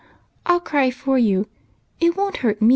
I '11 cry for you ; it won't hurt me."